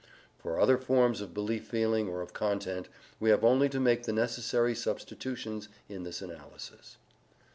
For other forms of belief feeling or of content, we have only to make the necessary substitutions in this analysis.